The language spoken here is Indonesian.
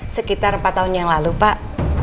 sekitar empat tahun yang lalu pak